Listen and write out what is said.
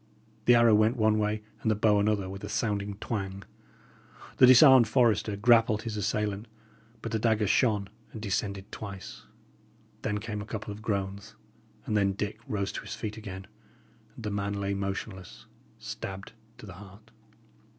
The arrow went one way and the bow another with a sounding twang. The disarmed forester grappled his assailant; but the dagger shone and descended twice. Then came a couple of groans, and then Dick rose to his feet again, and the man lay motionless, stabbed to the heart.